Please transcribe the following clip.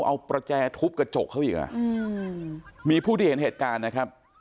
เอาประแจทุบกระจกเขาอีกอ่ะมีผู้ที่เห็นเหตุการณ์นะครับ